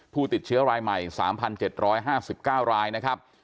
ผู้ติดเชื้อรายใหม่๓๗๕๙รายนะครับ